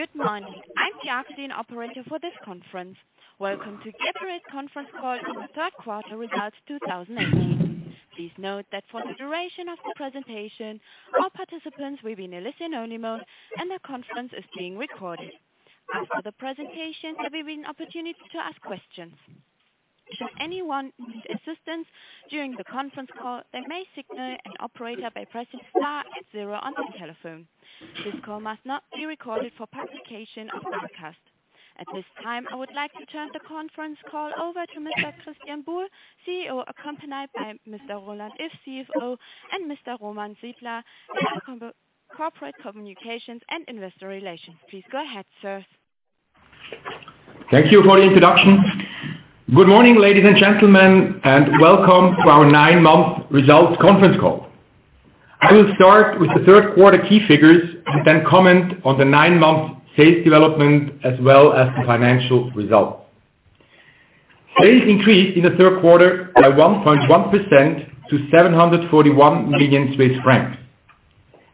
Good morning. I'm the operator for this conference. Welcome to Geberit conference call on the third quarter results 2018. Please note that for the duration of the presentation, all participants will be in a listen-only mode, and the conference is being recorded. After the presentation, there will be an opportunity to ask questions. Should anyone need assistance during the conference call, they may signal an operator by pressing star and zero on their telephone. This call must not be recorded for publication or broadcast. At this time, I would like to turn the conference call over to Mr. Christian Buhl, CEO, accompanied by Mr. Roland Iff, CFO, and Mr. Roman Sidler, Head of Corporate Communications and Investor Relations. Please go ahead, sir. Thank you for the introduction. Good morning, ladies and gentlemen, welcome to our nine-month results conference call. I will start with the third quarter key figures, then comment on the nine-month sales development, as well as the financial results. Sales increased in the third quarter by 1.1% to 741 million Swiss francs.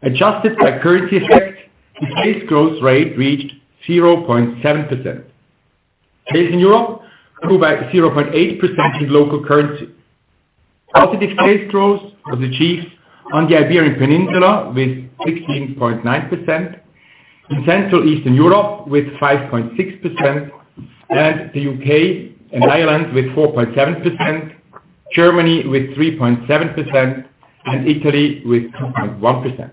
Adjusted by currency effect, the sales growth rate reached 0.7%. Sales in Europe grew by 0.8% in local currency. Positive sales growth was achieved on the Iberian Peninsula with 16.9%, in Central Eastern Europe with 5.6%, the U.K. and Ireland with 4.7%, Germany with 3.7%, Italy with 2.1%.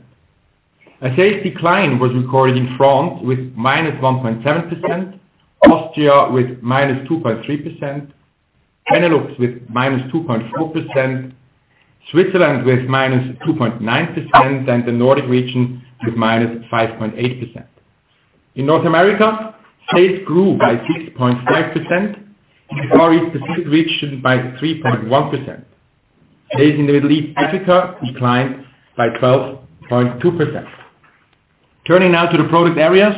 A sales decline was recorded in France with -1.7%, Austria with -2.3%, Benelux with -2.4%, Switzerland with -2.9%, the Nordic region with -5.8%. In North America, sales grew by 6.5%, in our specific region by 3.1%. Sales in the Middle East, Africa declined by 12.2%. Turning now to the product areas,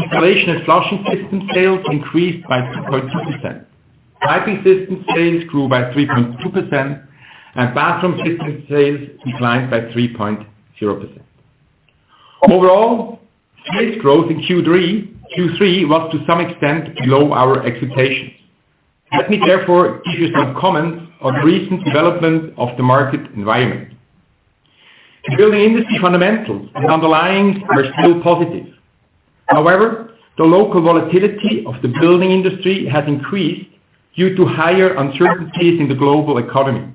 Installation and Flushing Systems sales increased by 2.2%. Piping Systems sales grew by 3.2%, Bathroom Systems sales declined by 3.0%. Overall, sales growth in Q3 was to some extent below our expectations. Let me therefore give you some comments on recent development of the market environment. The building industry fundamentals and underlyings were still positive. However, the local volatility of the building industry has increased due to higher uncertainties in the global economy.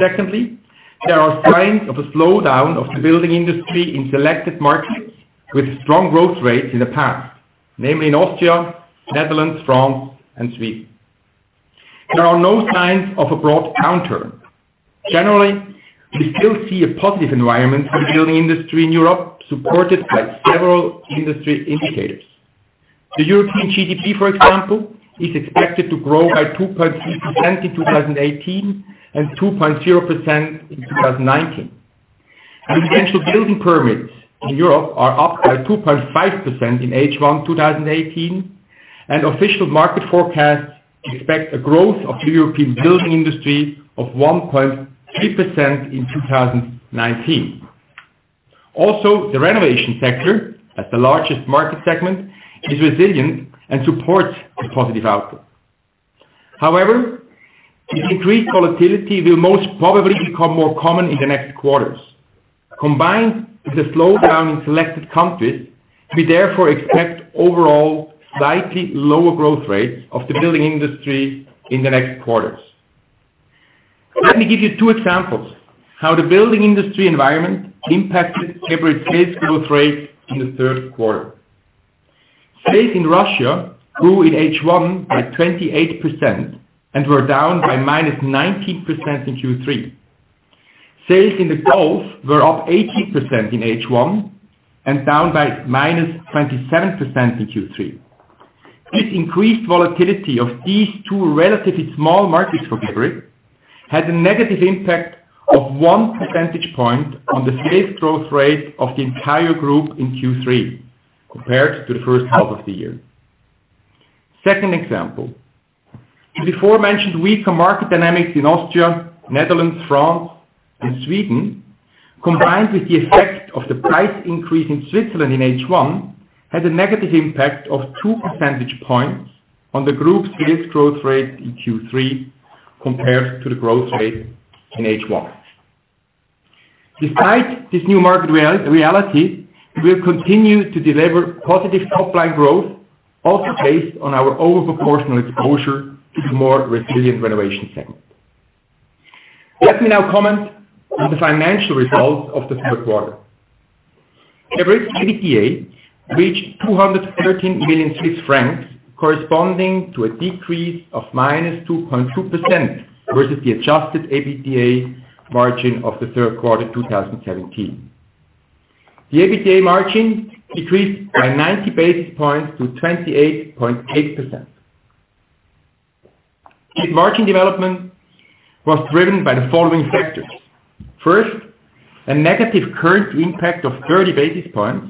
Secondly, there are signs of a slowdown of the building industry in selected markets with strong growth rates in the past. Namely in Austria, Netherlands, France, and Sweden. There are no signs of a broad downturn. Generally, we still see a positive environment for the building industry in Europe, supported by several industry indicators. The European GDP, for example, is expected to grow by 2.6% in 2018 and 2.0% in 2019. The potential building permits in Europe are up by 2.5% in H1 2018, official market forecasts expect a growth of the European building industry of 1.3% in 2019. The renovation sector, as the largest market segment, is resilient and supports the positive outlook. However, this increased volatility will most probably become more common in the next quarters. Combined with a slowdown in selected countries, we therefore expect overall slightly lower growth rates of the building industry in the next quarters. Let me give you two examples how the building industry environment impacted Geberit sales growth rates in the third quarter. Sales in Russia grew in H1 by 28% and were down by -19% in Q3. Sales in the Gulf were up 18% in H1 and down by -27% in Q3. This increased volatility of these two relatively small markets for Geberit had a negative impact of one percentage point on the sales growth rate of the entire group in Q3 compared to the first half of the year. Second example. The beforementioned weaker market dynamics in Austria, Netherlands, France, and Sweden, combined with the effect of the price increase in Switzerland in H1, had a negative impact of two percentage points on the group sales growth rate in Q3 compared to the growth rate in H1. Despite this new market reality, we will continue to deliver positive top-line growth, also based on our overproportional exposure to the more resilient renovation segment. Let me now comment on the financial results of the third quarter. Geberit's EBITDA reached 213 million Swiss francs, corresponding to a decrease of -2.2% versus the adjusted EBITDA margin of the third quarter 2017. The EBITDA margin decreased by 90 basis points to 28.8%. This margin development was driven by the following factors. First, a negative currency impact of 30 basis points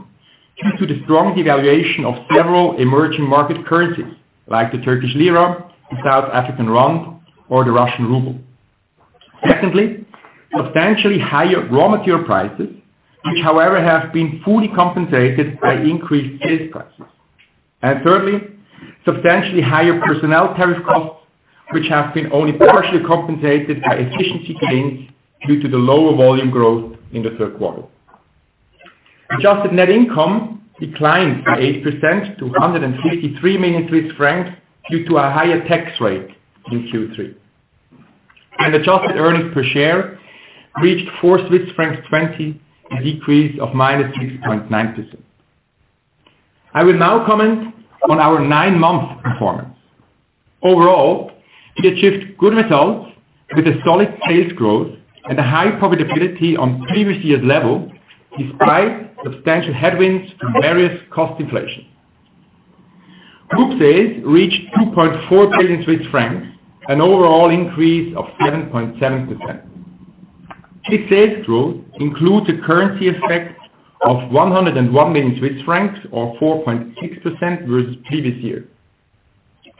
due to the strong devaluation of several emerging market currencies, like the Turkish lira, the South African rand, or the Russian ruble. Secondly, substantially higher raw material prices, which however have been fully compensated by increased sales prices. Thirdly, substantially higher personnel tariff costs, which have been only partially compensated by efficiency gains due to the lower volume growth in the third quarter. Adjusted net income declined by 8% to 153 million Swiss francs due to a higher tax rate in Q3. Adjusted earnings per share reached 4.20 Swiss francs, a decrease of -6.9%. I will now comment on our nine-month performance. Overall, we achieved good results with a solid sales growth and a high profitability on previous year's level, despite substantial headwinds from various cost inflation. Group sales reached 2.4 billion Swiss francs, an overall increase of 7.7%. This sales growth includes a currency effect of 101 million Swiss francs or 4.6% versus the previous year.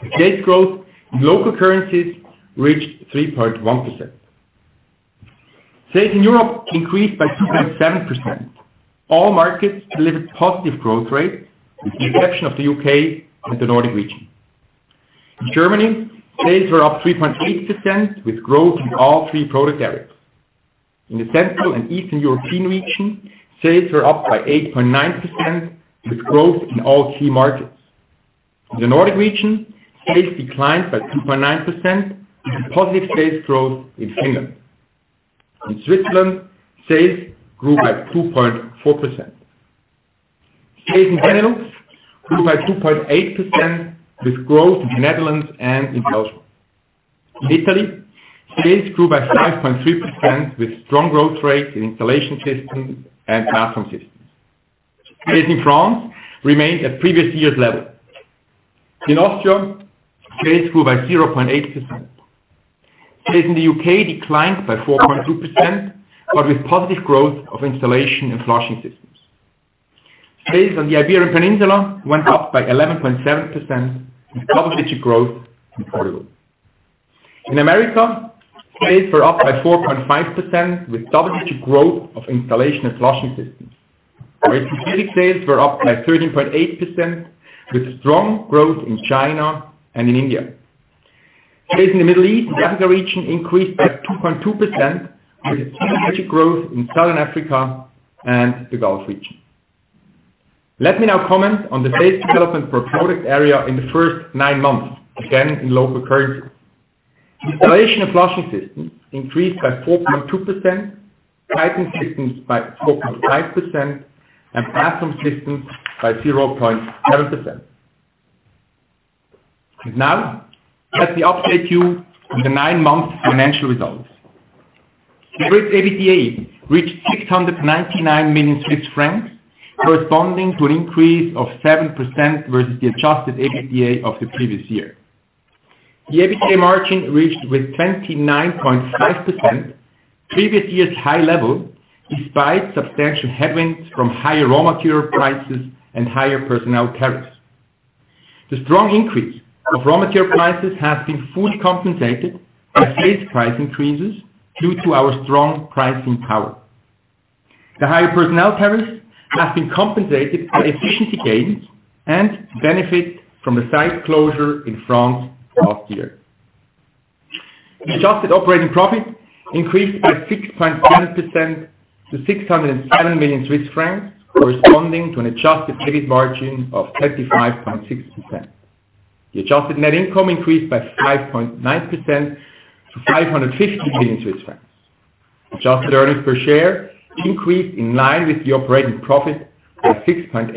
The sales growth in local currencies reached 3.1%. Sales in Europe increased by 2.7%. All markets delivered positive growth rates, with the exception of the U.K. and the Nordic region. In Germany, sales were up 3.8%, with growth in all three product areas. In the Central and Eastern European region, sales were up by 8.9%, with growth in all key markets. In the Nordic region, sales declined by 2.9%, with positive sales growth in Finland. In Switzerland, sales grew by 2.4%. Sales in the Netherlands grew by 2.8%, with growth in the Netherlands and in Belgium. In Italy, sales grew by 5.3% with strong growth rates in Installation Systems and Bathroom Systems. Sales in France remained at previous year's level. In Austria, sales grew by 0.8%. Sales in the U.K. declined by 4.2%, but with positive growth of Installation and Flushing Systems. Sales on the Iberian Peninsula went up by 11.7%, with double-digit growth in Portugal. In America, sales were up by 4.5%, with double-digit growth of Installation and Flushing Systems. Asian-Pacific sales were up by 13.8%, with strong growth in China and in India. Sales in the Middle East and Africa region increased by 2.2%, with double-digit growth in Southern Africa and the Gulf region. Let me now comment on the sales development per product area in the first nine months, again, in local currency. Installation and Flushing Systems increased by 4.2%, Piping Systems by 4.5%, and Bathroom Systems by 0.7%. Now let me update you on the nine-month financial results. The group's EBITDA reached 699 million Swiss francs, corresponding to an increase of 7% versus the adjusted EBITDA of the previous year. The EBITDA margin reached 29.5% previous year's high level, despite substantial headwinds from higher raw material prices and higher personnel tariffs. The strong increase of raw material prices has been fully compensated by sales price increases due to our strong pricing power. The higher personnel tariffs have been compensated by efficiency gains and benefit from the site closure in France last year. Adjusted operating profit increased by 6.7% to 607 million Swiss francs, corresponding to an adjusted EBIT margin of 25.6%. The adjusted net income increased by 5.9% to 550 million Swiss francs. Adjusted earnings per share increased in line with the operating profit by 6.8%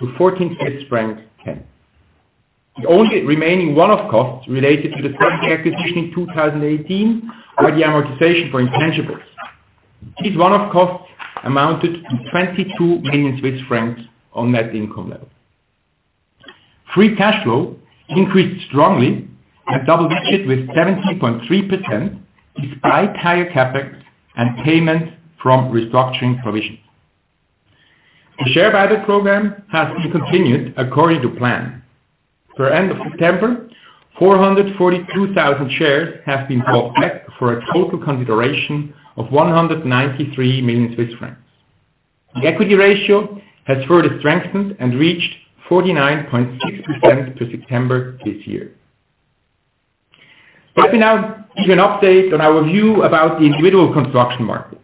to 14.10 franc. The only remaining one-off costs related to the target acquisition in 2018 are the amortization for intangibles. These one-off costs amounted to 22 million Swiss francs on net income level. Free cash flow increased strongly at double digits with 17.3%, despite higher CapEx and payments from restructuring provisions. The share buyback program has been continued according to plan. Per end of September, 442,000 shares have been bought back for a total consideration of 193 million Swiss francs. The equity ratio has further strengthened and reached 49.6% through September this year. Let me now give you an update on our view about the individual construction markets.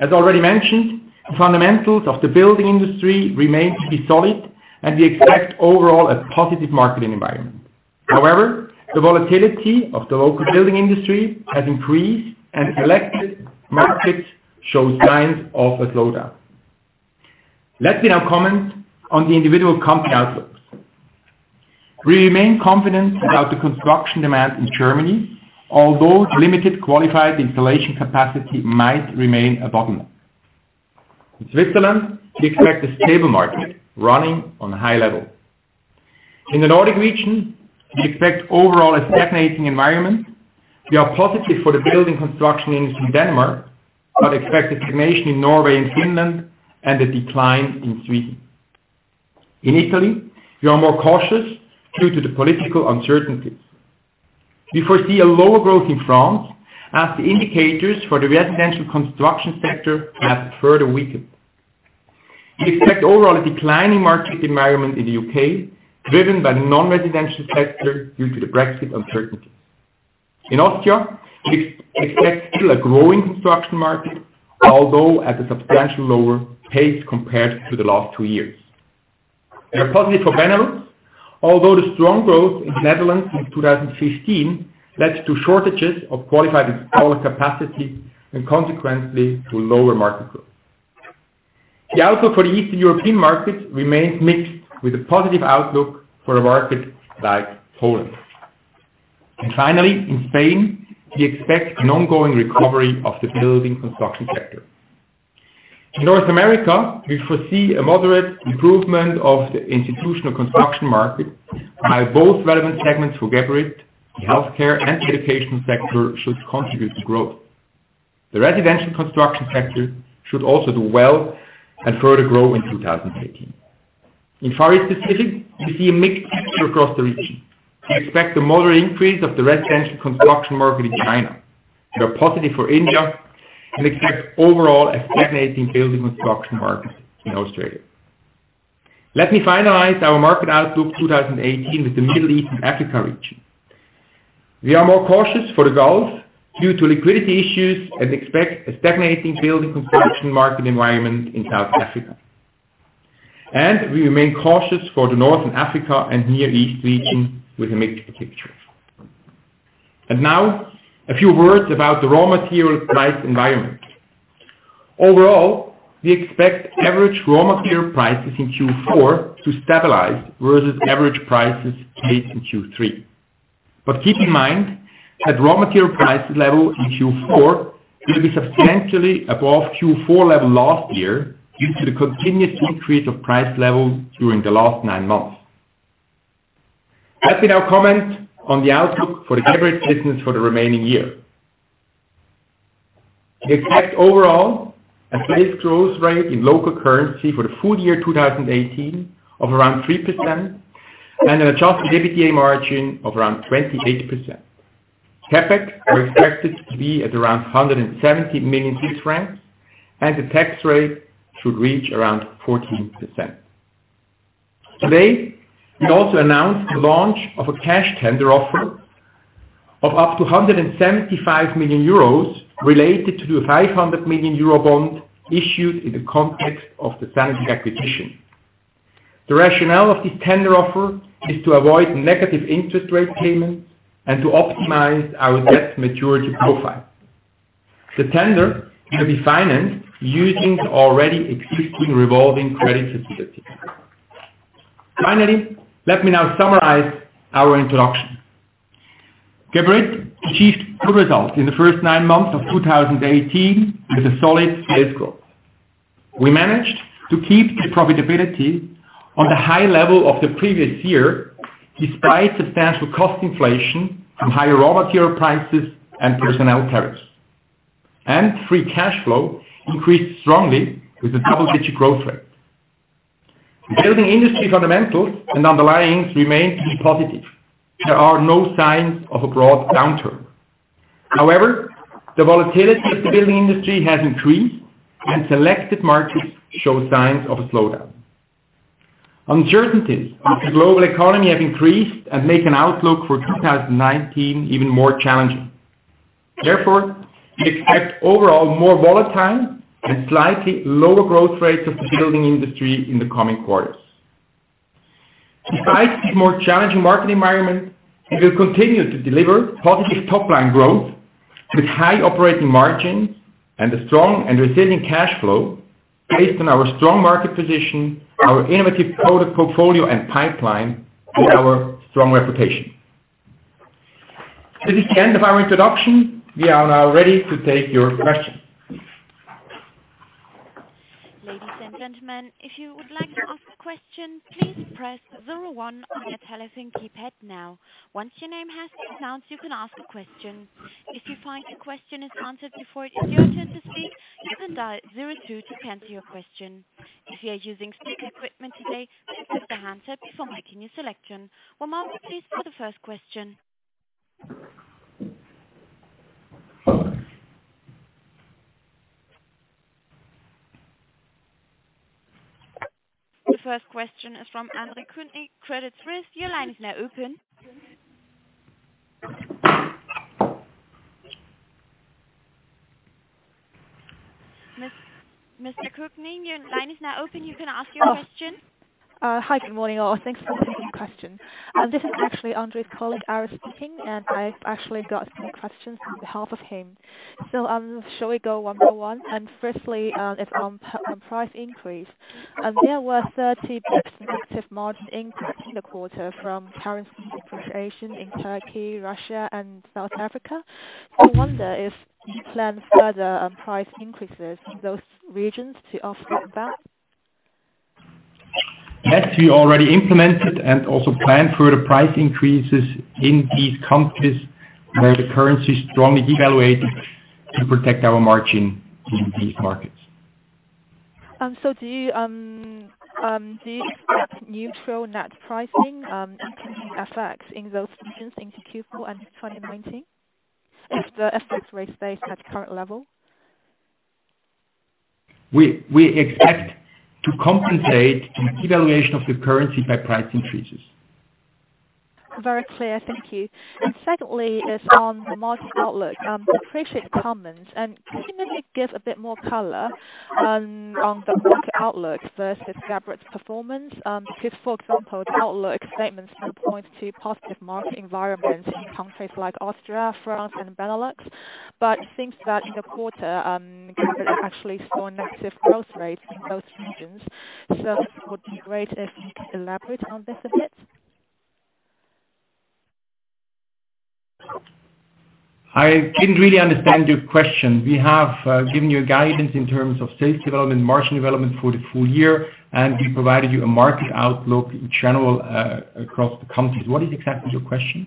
Already mentioned, the fundamentals of the building industry remain to be solid, we expect overall a positive marketing environment. The volatility of the local building industry has increased, selected markets show signs of a slowdown. Let me now comment on the individual company outlooks. We remain confident about the construction demand in Germany, although limited qualified installation capacity might remain a bottleneck. Switzerland, we expect a stable market running on a high level. The Nordic region, we expect overall a stagnating environment. We are positive for the building construction industry in Denmark, expect stagnation in Norway and Finland and a decline in Sweden. In Italy, we are more cautious due to the political uncertainties. We foresee a lower growth in France, the indicators for the residential construction sector have further weakened. We expect overall a declining market environment in the U.K., driven by the non-residential sector due to the Brexit uncertainty. Austria, we expect still a growing construction market, although at a substantially lower pace compared to the last two years. We are positive for Benelux, although the strong growth in the Netherlands in 2015 led to shortages of qualified installer capacity, consequently to lower market growth. The outlook for the Eastern European markets remains mixed, with a positive outlook for a market like Poland. Finally, Spain, we expect an ongoing recovery of the building construction sector. North America, we foresee a moderate improvement of the institutional construction market, while both relevant segments for Geberit, the healthcare and the education sector, should contribute to growth. The residential construction sector should also do well and further grow in 2018. Far East Pacific, we see a mixed picture across the region. We expect a moderate increase of the residential construction market in China. We are positive for India and expect overall a stagnating building construction market in Australia. Let me finalize our market outlook 2018 with the Middle East and Africa region. We are more cautious for the Gulf due to liquidity issues, expect a stagnating building construction market environment in South Africa. We remain cautious for the Northern Africa and Near East region with a mixed picture. Now, a few words about the raw material price environment. Overall, we expect average raw material prices in Q4 to stabilize versus average prices paid in Q3. Keep in mind that raw material price level in Q4 will be substantially above Q4 level last year, due to the continued increase of price levels during the last nine months. Let me now comment on the outlook for the Geberit business for the remaining year. We expect overall a sales growth rate in local currency for the full year 2018 of around 3%, an adjusted EBITDA margin of around 28%. CapEx are expected to be at around 170 million francs, and the tax rate should reach around 14%. Today, we also announced the launch of a cash tender offer of up to 175 million euros related to the 500 million euro bond issued in the context of the Sanitec acquisition. The rationale of this tender offer is to avoid negative interest rate payments and to optimize our debt maturity profile. The tender will be financed using the already existing revolving credit facility. Let me now summarize our introduction. Geberit achieved good results in the first nine months of 2018 with a solid sales growth. We managed to keep the profitability on the high level of the previous year, despite substantial cost inflation from higher raw material prices and personnel tariffs. Free cash flow increased strongly with a double-digit growth rate. The building industry fundamentals and underlyings remain positive. There are no signs of a broad downturn. The volatility of the building industry has increased, and selected markets show signs of a slowdown. Uncertainties of the global economy have increased and make an outlook for 2019 even more challenging. We expect overall more volatile and slightly lower growth rates of the building industry in the coming quarters. Despite this more challenging market environment, we will continue to deliver positive top-line growth with high operating margins and a strong and resilient cash flow based on our strong market position, our innovative product portfolio and pipeline, and our strong reputation. This is the end of our introduction. We are now ready to take your questions. Ladies and gentlemen, if you would like to ask a question, please press 01 on your telephone keypad now. Once your name has been announced, you can ask a question. If you find your question is answered before it is your turn to speak, you can dial 02 to cancel your question. If you are using speaker equipment today, please lift the handset before making your selection. One moment please for the first question. The first question is from Andre Kuehne, Credit Suisse. Your line is now open. Mr. Kuehne, your line is now open. You can ask your question. Good morning all. Thanks for taking the question. This is actually Andre's colleague, Iris speaking, and I've actually got some questions on behalf of him. Shall we go one by one? Firstly, it's on price increase. There were 30 basis points of margin increase in the quarter from currency depreciation in Turkey, Russia, and South Africa. I wonder if you plan further price increases in those regions to offset that. Yes, we already implemented and also plan further price increases in these countries where the currency strongly devaluated to protect our margin in these markets. Do you expect neutral net pricing effects in those regions in Q4 and 2019 if the FX rates stay at current level? We expect to compensate devaluation of the currency by price increases. Very clear. Thank you. Secondly, is on the market outlook. I appreciate the comments. Can you maybe give a bit more color on the market outlook versus Geberit's performance, because, for example, the outlook statements points to positive market environments in countries like Austria, France, and Benelux. It seems that in the quarter, Geberit actually saw negative growth rates in those regions. It would be great if you could elaborate on this a bit. I didn't really understand your question. We have given you a guidance in terms of sales development, margin development for the full year, we provided you a market outlook in general, across the countries. What is exactly your question?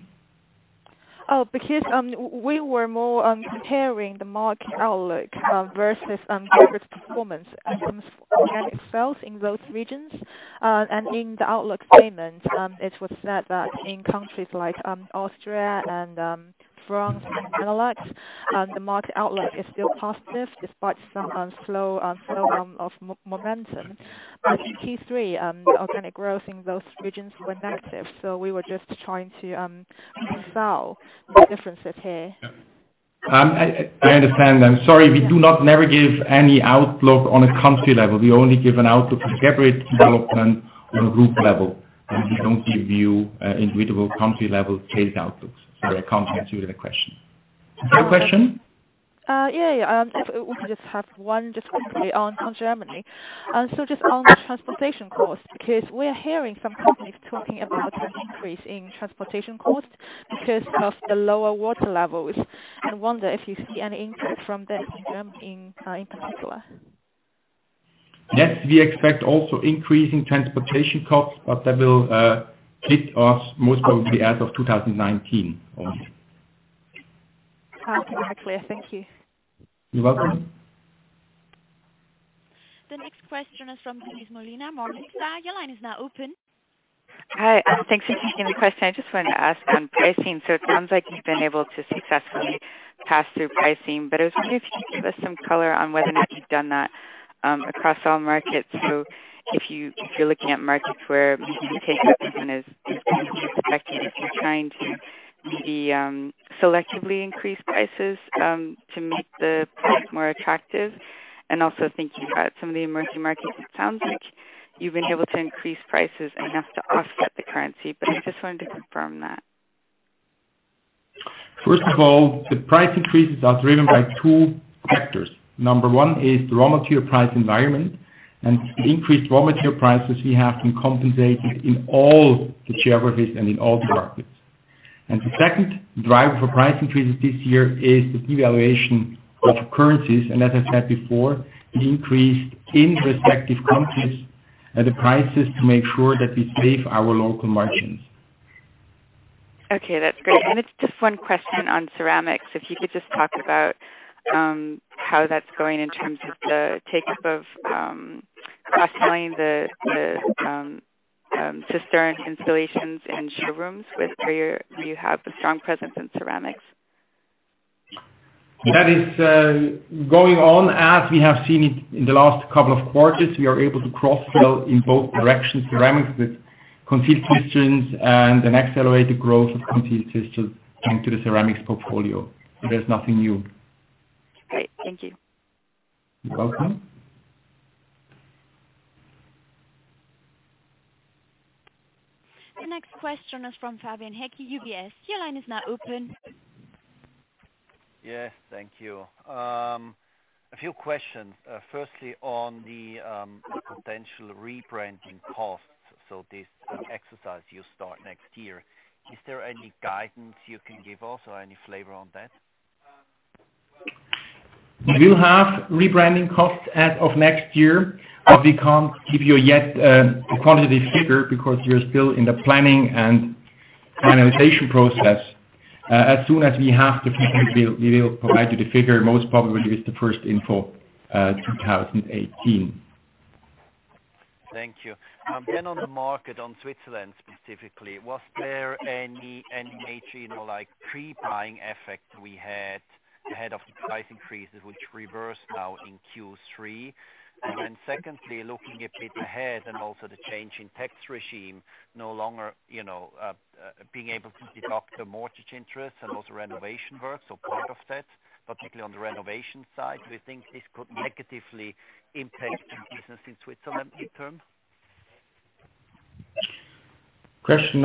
We were more comparing the market outlook versus Geberit's performance in terms of organic sales in those regions. In the outlook statement, it was said that in countries like Austria and France and Benelux, the market outlook is still positive despite slow momentum. In Q3, the organic growth in those regions were negative, we were just trying to reconcile the differences here. I understand. I'm sorry. We do not never give any outlook on a country level. We only give an outlook for Geberit development on a group level, and we don't give you individual country level sales outlooks. I can't answer to that question. Another question? Yeah. If we could just have one, just quickly on Germany. Just on the transportation cost, because we're hearing some companies talking about a potential increase in transportation costs because of the lower water levels. I wonder if you see any input from that in Germany, in particular. Yes, we expect also increase in transportation costs, that will hit us most probably as of 2019 only. That's very clear. Thank you. You're welcome. The next question is from Denise Molina, Morningstar. Your line is now open. Hi. Thanks for taking the question. I just wanted to ask on pricing. It sounds like you've been able to successfully pass through pricing, I was wondering if you could give us some color on whether or not you've done that across all markets. If you're looking at markets where you take that as an effective if you're trying to selectively increase prices to make the product more attractive. Also thinking about some of the emerging markets, it sounds like you've been able to increase prices enough to offset the currency, I just wanted to confirm that. First of all, the price increases are driven by two factors. Number 1 is the raw material price environment. The increased raw material prices we have been compensated in all the geographies and in all the markets. The second driver for price increases this year is the devaluation of currencies. As I said before, we increased in respective countries the prices to make sure that we save our local margins. That's great. It's just one question on ceramics. If you could just talk about how that's going in terms of the take-up of cross-selling the cistern installations in showrooms where you have a strong presence in ceramics. That is going on as we have seen it in the last couple of quarters. We are able to cross-sell in both directions, ceramics with concealed cisterns and an accelerated growth of concealed cisterns into the ceramics portfolio. There's nothing new. Great. Thank you. You're welcome. The next question is from Fabian Heck, UBS. Your line is now open. Yes. Thank you. A few questions. Firstly, on the potential rebranding costs. This exercise you start next year. Is there any guidance you can give us or any flavor on that? We will have rebranding costs as of next year, we can't give you yet a quantitative figure because we are still in the planning and finalization process. As soon as we have the figures, we will provide you the figure, most probably with the first info 2018. Thank you. On the market, on Switzerland specifically, was there any major pre-buying effect we had ahead of the price increases which reversed now in Q3? Secondly, looking a bit ahead and also the change in tax regime, no longer being able to deduct the mortgage interest and also renovation works or part of that, particularly on the renovation side. Do you think this could negatively impact your business in Switzerland in term? Question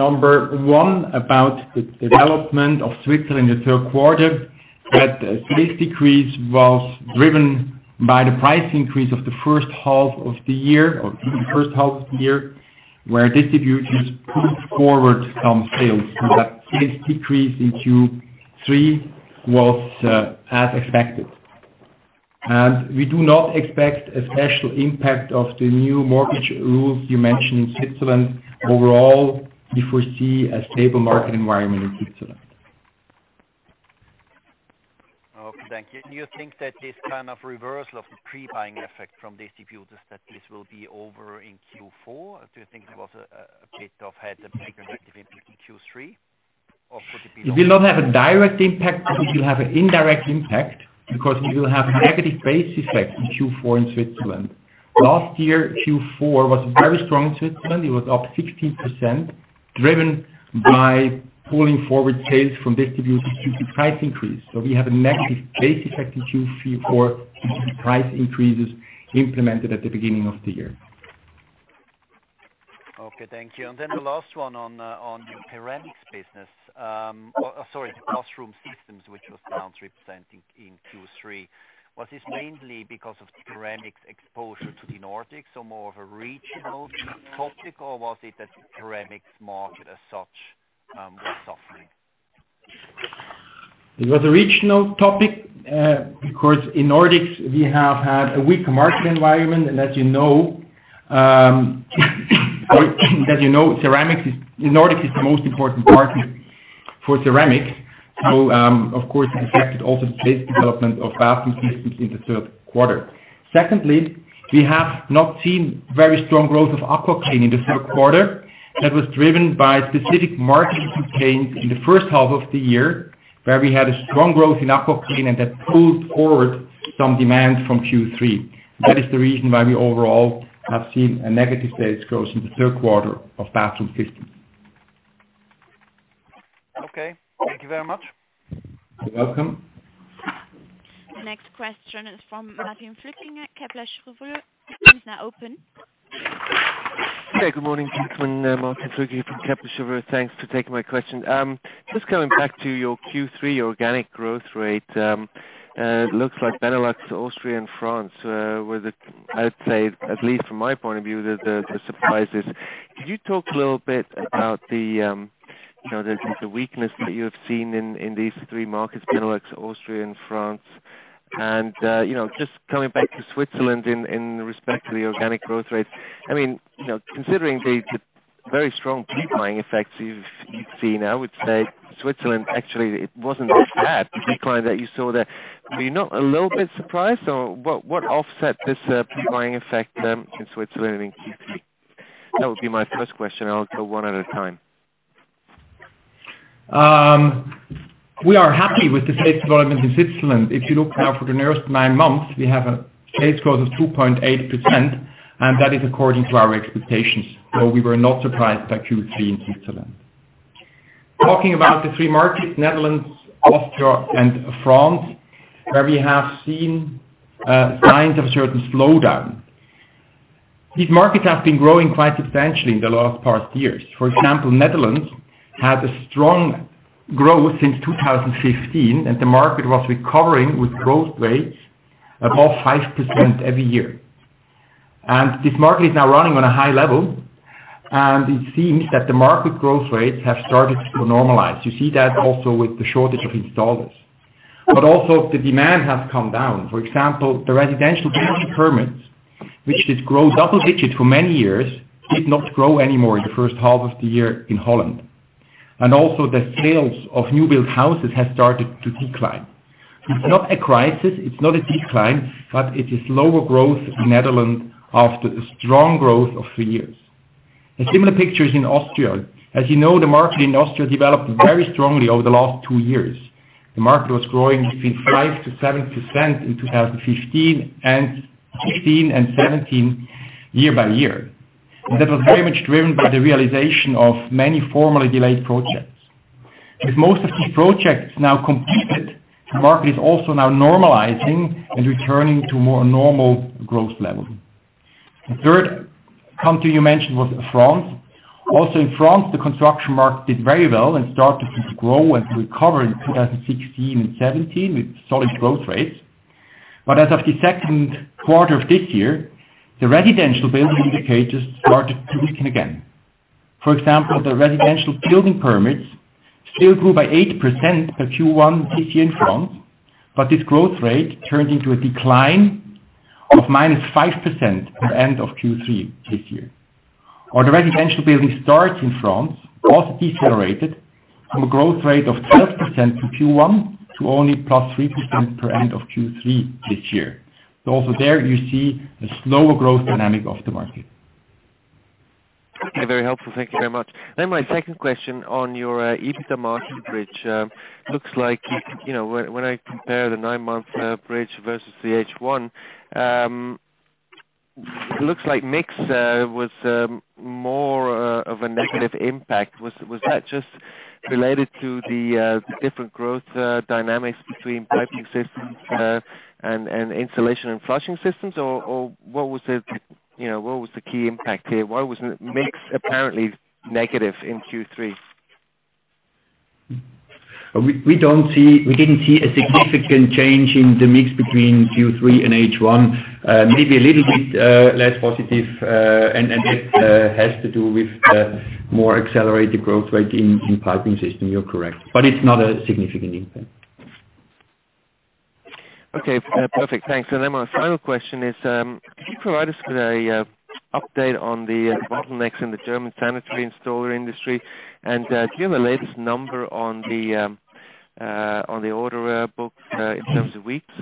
one about the development of Switzerland in the third quarter, that sales decrease was driven by the price increase of the first half of the year where distributors pulled forward some sales. That sales decrease in Q3 was as expected. We do not expect a special impact of the new mortgage rules you mentioned in Switzerland. Overall, we foresee a stable market environment in Switzerland. Okay, thank you. Do you think that this kind of reversal of the pre-buying effect from distributors, that this will be over in Q4? Do you think it was a bit of head of negative impact in Q3, or could it be- It will not have a direct impact, it will have an indirect impact because we will have negative base effect in Q4 in Switzerland. Last year, Q4 was very strong in Switzerland. It was up 16%, driven by pulling forward sales from distributors due to price increase. We have a negative base effect in Q4 due to price increases implemented at the beginning of the year. Okay, thank you. Then the last one on the ceramics business. Sorry, the Bathroom Systems which was down 3% in Q3. Was this mainly because of ceramics exposure to the Nordics or more of a regional topic, or was it that the ceramics market as such was softening? It was a regional topic. In Nordics, we have had a weak market environment, as you know, ceramics in Nordics is the most important market for ceramic. Of course, it affected also the sales development of Bathroom Systems in the third quarter. Secondly, we have not seen very strong growth of AquaClean in the third quarter that was driven by specific marketing campaigns in the first half of the year, where we had a strong growth in AquaClean, and that pulled forward some demands from Q3. That is the reason why we overall have seen a negative sales growth in the third quarter of Bathroom Systems. Okay. Thank you very much. You're welcome. The next question is from Martin Flueckiger, Kepler Cheuvreux. Your line is now open. Hey, good morning, everyone. Martin Flueckiger from Kepler Cheuvreux. Thanks for taking my question. Just coming back to your Q3 organic growth rate. It looks like Benelux, Austria, and France were the, I would say, at least from my point of view, the surprises. Could you talk a little bit about the weakness that you have seen in these three markets, Benelux, Austria, and France? Just coming back to Switzerland in respect to the organic growth rate, considering the very strong pre-buying effects you've seen, I would say Switzerland actually, it wasn't as bad, the decline that you saw there. Were you not a little bit surprised, or what offset this pre-buying effect in Switzerland in Q3? That would be my first question. I'll go one at a time. We are happy with the sales development in Switzerland. If you look now for the nearest nine months, we have a sales growth of 2.8%, and that is according to our expectations, so we were not surprised by Q3 in Switzerland. Talking about the three markets, Netherlands, Austria, and France, where we have seen signs of certain slowdown. These markets have been growing quite substantially in the last past years. For example, Netherlands had a strong growth since 2015, the market was recovering with growth rates above 5% every year. This market is now running on a high level, and it seems that the market growth rates have started to normalize. You see that also with the shortage of installers. Also, the demand has come down. For example, the residential building permits, which did grow double digits for many years, did not grow anymore in the first half of the year in Holland. Also the sales of new build houses has started to decline. It's not a crisis, it's not a decline, but it is lower growth in Netherlands after the strong growth of three years. A similar picture is in Austria. As you know, the market in Austria developed very strongly over the last two years. The market was growing between 5%-7% in 2015, 2016, and 2017 year by year. That was very much driven by the realization of many formerly delayed projects. With most of these projects now completed, the market is also now normalizing and returning to more normal growth levels. The third country you mentioned was France. Also in France, the construction market did very well and started to grow and recover in 2016 and 2017 with solid growth rates. As of the second quarter of this year, the residential building indicators started to weaken again. For example, the residential building permits still grew by 8% by Q1 this year in France, but this growth rate turned into a decline of -5% at end of Q3 this year. All the residential building starts in France also decelerated from a growth rate of 12% from Q1 to only +3% per end of Q3 this year. Also there you see a slower growth dynamic of the market. Very helpful. Thank you very much. My second question on your EBITDA margin bridge. It looks like, when I compare the nine-month bridge versus the H1, it looks like mix was more of a negative impact. Was that just related to the different growth dynamics between Piping Systems and Installation and Flushing Systems, or what was the key impact here? Why was mix apparently negative in Q3? We didn't see a significant change in the mix between Q3 and H1. Maybe a little bit less positive, that has to do with more accelerated growth rate in Piping Systems, you're correct. It's not a significant impact. Okay, perfect. Thanks. My final question is, can you provide us with an update on the bottlenecks in the German sanitary installer industry? Do you have the latest number on the order book in terms of weeks?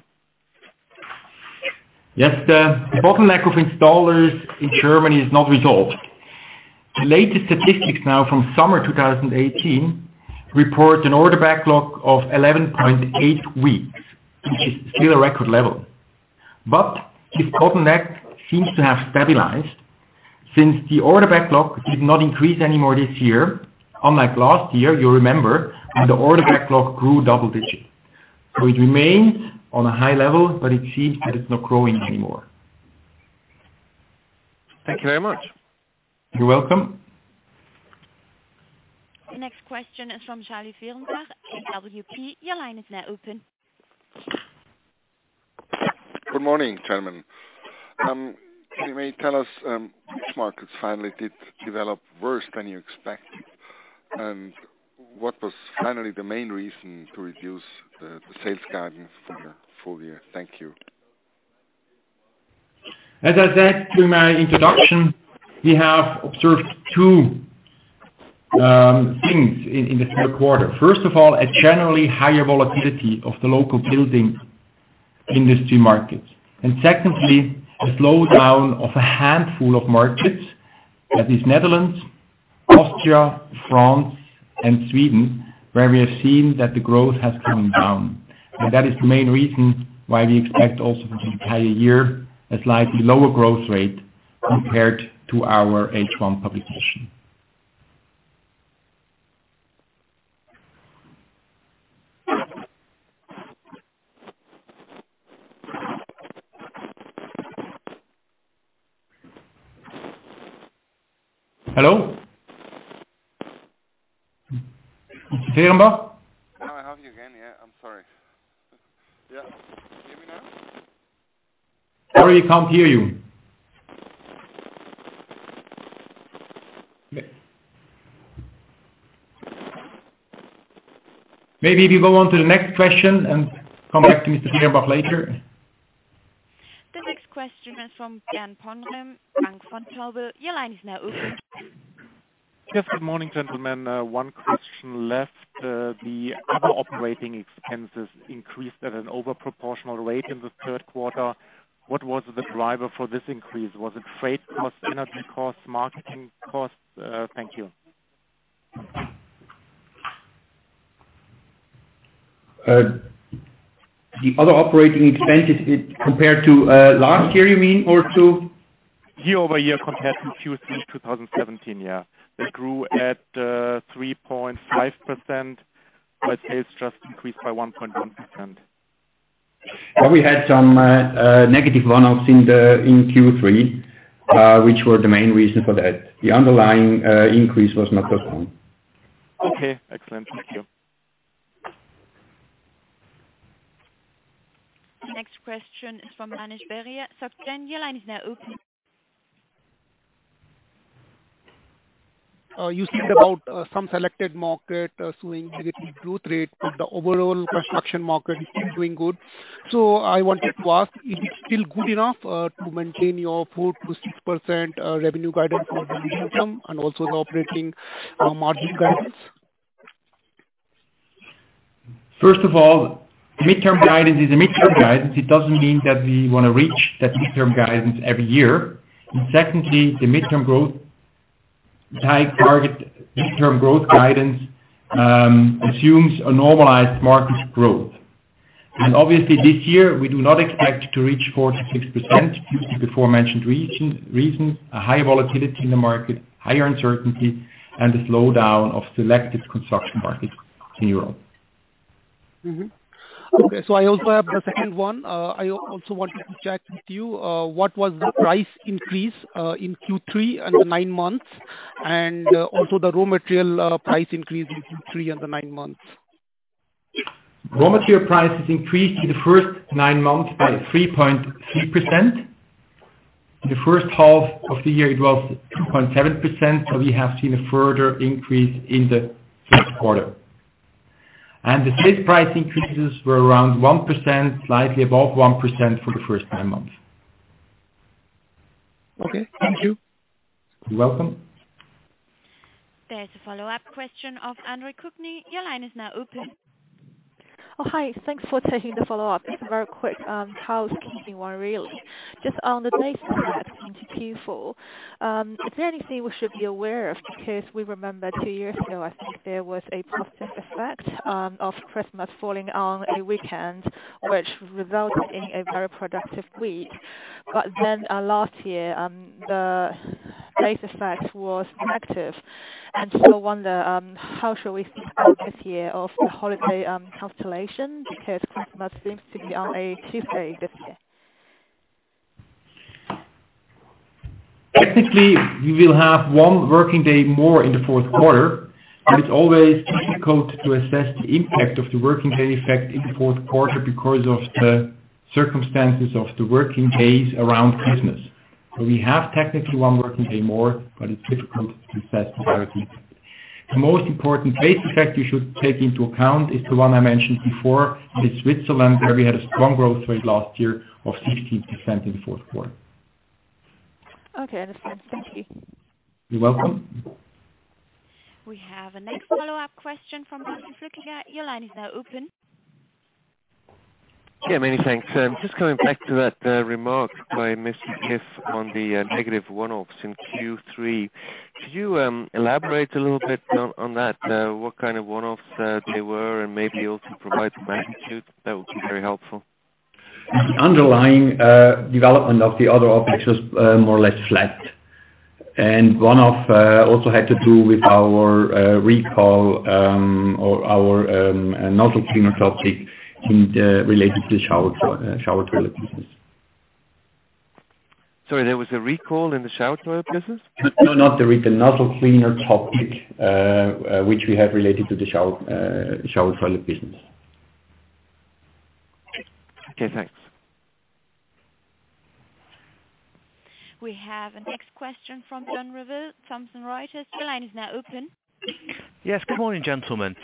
Yes. The bottleneck of installers in Germany is not resolved. The latest statistics now from summer 2018 report an order backlog of 11.8 weeks, which is still a record level. This bottleneck seems to have stabilized since the order backlog did not increase any more this year, unlike last year, you remember, the order backlog grew double digits. It remains on a high level, but it seems that it's not growing anymore. Thank you very much. You're welcome. The next question is from Charlie Fehrenbach from WP. Your line is now open. Good morning, gentlemen. Can you tell us which markets finally did develop worse than you expected? What was finally the main reason to reduce the sales guidance for the full year? Thank you. As I said in my introduction, we have observed two things in the third quarter. First of all, a generally higher volatility of the local building industry markets. Secondly, a slowdown of a handful of markets, that is Netherlands, Austria, France, and Sweden, where we have seen that the growth has come down. That is the main reason why we expect also for the entire year, a slightly lower growth rate compared to our H1 publication. Hello? Fierenbach? Now I have you again. Yeah, I'm sorry. Yeah. Can you hear me now? Sorry, can't hear you. Maybe we go on to the next question and come back to Mr. Fierenbach later. The next question is from Jan Pondrom, Bank Vontobel. Your line is now open. Yes, good morning, gentlemen. One question left. The other operating expenses increased at an over proportional rate in the third quarter. What was the driver for this increase? Was it freight cost, energy cost, marketing cost? Thank you. The other operating expenses compared to last year, you mean? Year-over-year compared to Q3 2017, yeah. It grew at 3.5%. Sales just increased by 1.1%. Well, we had some negative one-offs in Q3, which were the main reason for that. The underlying increase was not that long. Okay, excellent. Thank you. Next question is from Manish Beria, Societe Generale. Your line is now open. You said about some selected market showing negative growth rate, but the overall construction market is still doing good. I wanted to ask, is it still good enough to maintain your 4%-6% revenue guidance for the mid-term and also the operating margin guidance? First of all, mid-term guidance is a mid-term guidance. It doesn't mean that we want to reach that mid-term guidance every year. Secondly, the mid-term growth target, mid-term growth guidance assumes a normalized market growth. Obviously this year, we do not expect to reach 4%-6% due to the before mentioned reasons, a high volatility in the market, higher uncertainty, and the slowdown of selected construction markets in Europe. Okay, I also have the second one. I also wanted to check with you, what was the price increase in Q3 and the nine months, and also the raw material price increase in Q3 and the nine months? Raw material prices increased in the first nine months by 3.3%. The first half of the year, it was 2.7%. We have seen a further increase in the third quarter. The sales price increases were around 1%, slightly above 1% for the first nine months. Okay, thank you. You're welcome. There's a follow-up question of Andre Kuehne. Your line is now open. Hi. Thanks for taking the follow-up. It's a very quick housekeeping one, really. Just on the base effect into Q4, is there anything we should be aware of? We remember two years ago, I think there was a positive effect of Christmas falling on a weekend, which resulted in a very productive week. Last year, the base effect was negative. I wonder, how should we think this year of the holiday constellation, because Christmas seems to be on a Tuesday this year. Technically, we will have one working day more in the fourth quarter, but it's always difficult to assess the impact of the working day effect in the fourth quarter because of the circumstances of the working days around Christmas. We have technically one working day more, but it's difficult to assess the effect. The most important base effect you should take into account is the one I mentioned before, is Switzerland, where we had a strong growth rate last year of 16% in the fourth quarter. That's fine. Thank you. You're welcome. We have a next follow-up question from Martin Flueckiger. Your line is now open. Yeah, many thanks. Just coming back to that remark by Mr. Chris on the negative one-offs in Q3. Could you elaborate a little bit on that? What kind of one-offs they were and maybe also provide some magnitude? That would be very helpful. The underlying development of the other operations was more or less flat. One-off also had to do with our recall, or our Nozzle Cleaner topic related to the shower toilet business. Sorry, there was a recall in the shower toilet business? No, not the recall. Nozzle Cleaner topic, which we have related to the shower toilet business. Okay, thanks. We have a next question from John Revill, Thomson Reuters. Your line is now open. Yes. Good morning, gentlemen.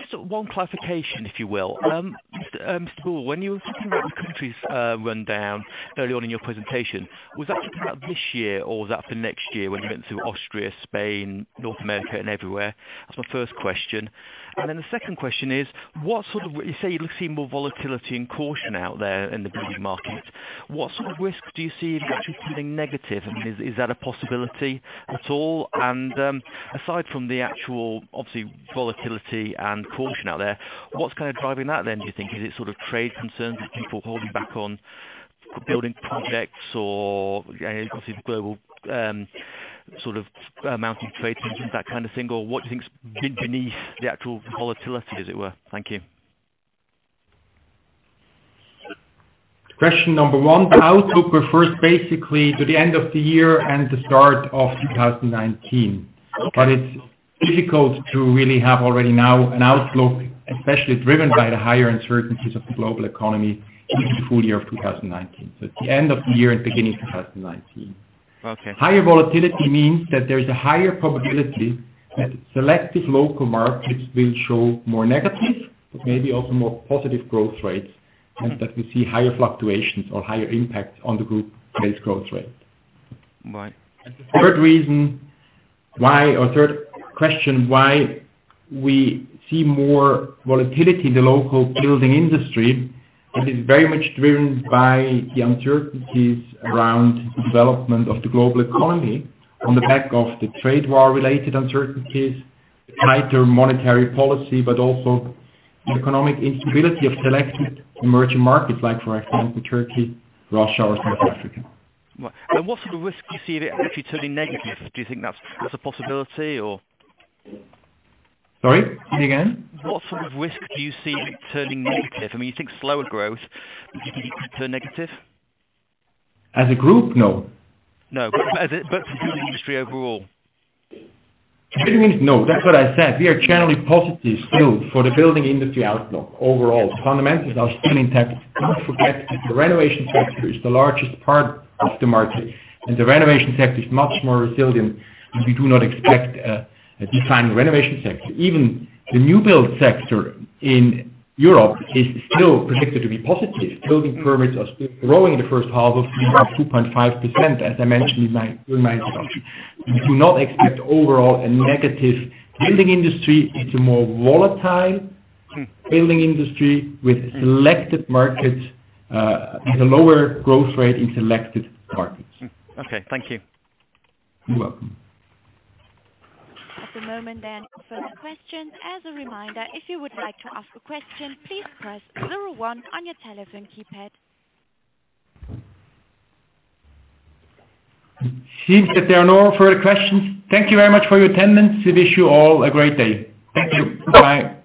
Just one clarification, if you will. Mr. Buhl, when you were talking about the countries rundown early on in your presentation, was that for this year or was that for next year when you went through Austria, Spain, North America and everywhere? That's my first question. The second question is, you say you're seeing more volatility and caution out there in the building market. What sort of risk do you see actually turning negative? I mean, is that a possibility at all? Aside from the actual, obviously, volatility and caution out there, what's kind of driving that then, do you think? Is it sort of trade concerns with people holding back on building projects or, obviously the global mounting trade tensions, that kind of thing? What do you think is beneath the actual volatility, as it were? Thank you. Question number 1, the outlook refers basically to the end of the year and the start of 2019. Okay. It's difficult to really have already now an outlook, especially driven by the higher uncertainties of the global economy in the full year of 2019. It's the end of the year and beginning of 2019. Okay. Higher volatility means that there is a higher probability that selective local markets will show more negative, but maybe also more positive growth rates, and that we see higher fluctuations or higher impact on the group base growth rate. Right. The third reason why, or third question why we see more volatility in the local building industry, it is very much driven by the uncertainties around the development of the global economy on the back of the trade war related uncertainties, tighter monetary policy, but also the economic instability of selected emerging markets like, for example, Turkey, Russia, or South Africa. Right. What sort of risk do you see actually turning negative? Do you think that's a possibility? Sorry, say again? What sort of risk do you see turning negative? I mean, you think slower growth. Do you think it could turn negative? As a group? No. But for the building industry overall. What do you mean? No. That's what I said. We are generally positive still for the building industry outlook overall. The fundamentals are still intact. Don't forget that the renovation sector is the largest part of the market, and the renovation sector is much more resilient, and we do not expect a decline in the renovation sector. Even the new build sector in Europe is still predicted to be positive. Building permits are still growing in the first half of the year, 2.5%, as I mentioned in my remarks. We do not expect overall a negative building industry. It's a more volatile building industry with selected markets at a lower growth rate in selected markets. Okay. Thank you. You're welcome. At the moment there are no further questions. As a reminder, if you would like to ask a question, please press zero one on your telephone keypad. It seems that there are no further questions. Thank you very much for your attendance. We wish you all a great day. Thank you. Bye-bye.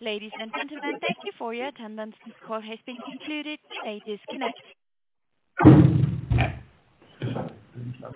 Ladies and gentlemen, thank you for your attendance. This call has been concluded. You may disconnect.